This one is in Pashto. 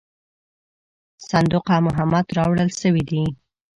صندوقه مهمات راوړل سوي وې.